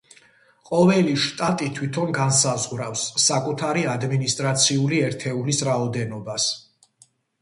ყოველი შტატი თვითონ განსაზღვრავს საკუთარი ადმინისტრაციული ერთეულის რაოდენობას.